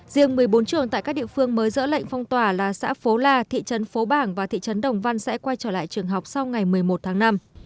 riêng một mươi bốn trường tại các địa phương mới dỡ lệnh phong tỏa là xã phố la thị trấn phố bảng và thị trấn đồng văn sẽ quay trở lại trường học sau ngày một mươi một tháng năm